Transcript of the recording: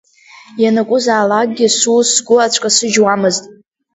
Ианакәызаалакгьы сус сгәы ацәкасыжьуамызт.